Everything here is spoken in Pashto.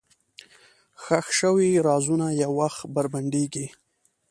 ښخ شوي رازونه یو وخت بربنډېږي.